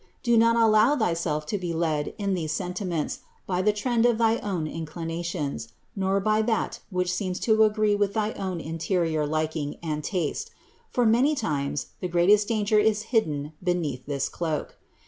Do not allow thyself to be led in these sentiments by the trend of thy own inclina tions, nor by that which seems to agree with thy own interior liking and taste; for many times the greatest danger is hidden beneath this cloak.